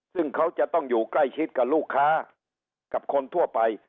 ซึ่งเขาจะต้องอยู่ใกล้ชิดกับลูกค้ากับคนทั่วไป